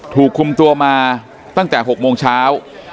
ถูกคุมตัวมาตั้งแต่๖โมงเช้า